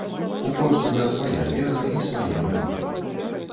У кожнага свая вера і свае малітвы.